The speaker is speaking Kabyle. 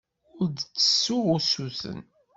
Ur d-ttessuɣ usuten.